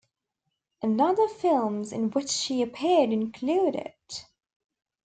Other films in which he appeared include It!